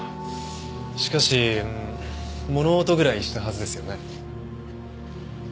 しかし物音ぐらいしたはずですよね？